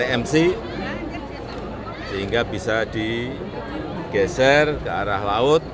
tmc sehingga bisa digeser ke arah laut